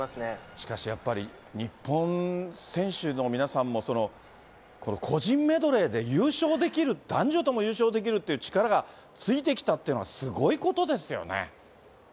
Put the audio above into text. しかし、やっぱり日本選手の皆さんも、個人メドレーで優勝できる、男女とも優勝できるっていう力がついてきたっていうのは、すごいことですよね。